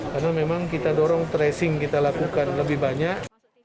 karena memang kita dorong tracing kita lakukan lebih banyak